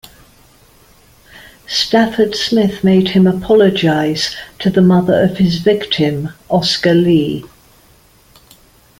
Stafford Smith made him apologize to the mother of his victim, Oscar Lee.